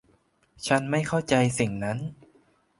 ฉันไม่เข้าใจสิ่งนั้น